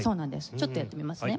ちょっとやってみますね。